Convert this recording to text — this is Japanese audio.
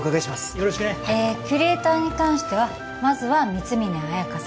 よろしくねキュレーターに関してはまずは光峯綾香さん